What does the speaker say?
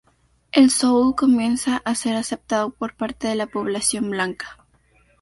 El soul comienza a ser aceptado por parte de la población blanca.